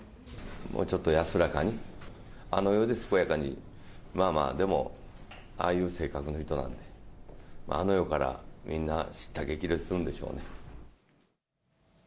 もうちょっと安らかに、あの世で健やかに、まあまあでも、ああいう性格の人なんで、あの世からみんなしった激励するんでしょうね。